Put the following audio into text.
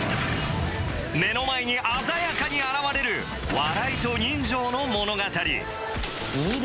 目の前に鮮やかに現れる笑いと人情の物語見る